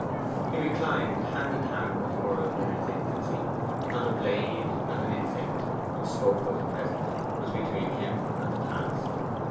He reclined hand in hand with the world in its infancy. Not a blade, not an insect, which spoke of the present, was between him and the past.